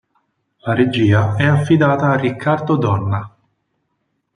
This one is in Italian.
La regia è affidata a Riccardo Donna.